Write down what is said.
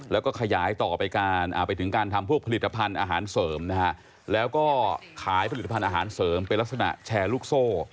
แล้วก็ขยายต่อไปถึงการทำพวกผลิตภัณฑ์อาหารเสริมนะฮะแล้วก็ขายผลิตภัณฑ์อาหารเสริมเป็นลักษณะแชร์ลูกโซ่